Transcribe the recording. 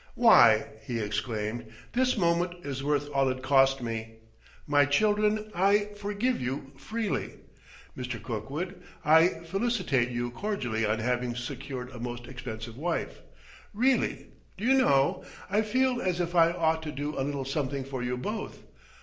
"Why," he exclaimed, "this moment is worth all it cost me! My children, I forgive you freely. Mr. Kirkwood, I felicitate you cordially on having secured a most expensive wife. Really d'you know? I feel as if I ought to do a little something for you both."